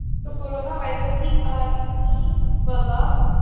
کہ corona virus کی عالمی وبا